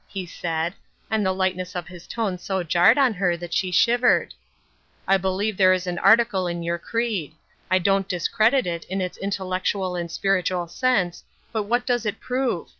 he said, and the lightness of his tone so jarred on her that she shivered. '* I believe that is an article in your creed. I don't discredit it in its intellectual and spiritual sense, but what does it prove